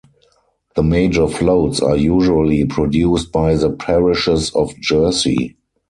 The major floats are usually produced by the parishes of Jersey.